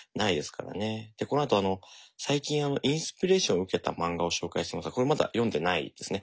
でこのあとあの最近インスピレーションを受けた漫画を紹介してますがこれまだ読んでないですね。